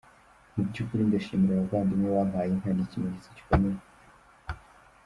Mu by’ukuri ndashimira abavandimwe bampaye inka, ni ikimenyetso gikomeye.